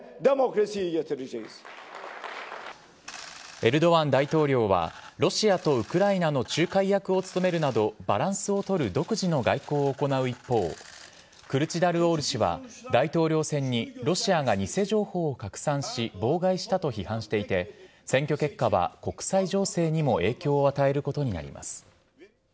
エルドアン大統領は、ロシアとウクライナの仲介役を務めるなど、バランスを取る独自の外交を行う一方、クルチダルオール氏は、大統領選にロシアが偽情報を拡散し、妨害したと批判していて、選挙結果は国際情勢にも影響を与えることになります。